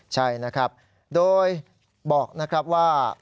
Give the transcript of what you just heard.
ใช่นะครับโดยบอกนะครับว่า